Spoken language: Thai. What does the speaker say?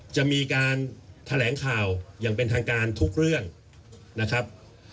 จะมีการแถลงข่าวอย่างเป็นทางการทุกเรื่องนะครับ